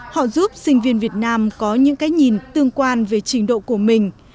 họ giúp sinh viên việt nam có những cái nhìn tương quan về trình độ của mình